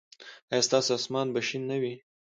ایا ستاسو اسمان به شین نه وي؟